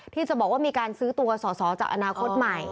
ที่จะบอกว่ามีการซื้อตัวสอสอจากอนาคตใหม่